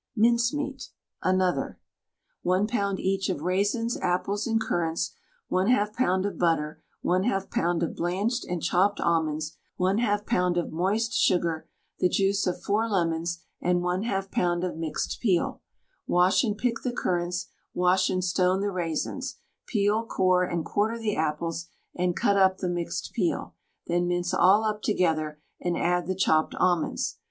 MINCEMEAT (another). 1 lb. each of raisins, apples, and currants, 1/2 lb. of butter, 1/2 lb. of blanched and chopped almonds, 1/2 lb. of moist sugar, the juice of 4 lemons, and 1/2 lb. of mixed peel. Wash and pick the currants, wash and stone the raisins, peel, core, and quarter the apples, and cut up the mixed peel; then mince all up together, and add the chopped almonds.